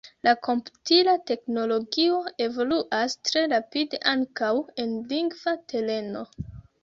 La komputila teknologio evoluas tre rapide ankaŭ en lingva tereno.